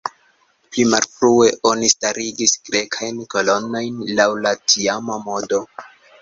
Pli malfrue, oni starigis grekajn kolonojn laŭ la tiama modo.